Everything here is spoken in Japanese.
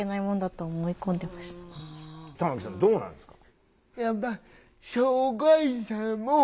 玉木さんどうなんですか？